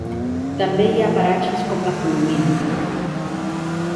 També hi ha paratges com La Colomina.